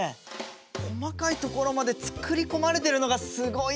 細かい所まで作り込まれてるのがすごいよね！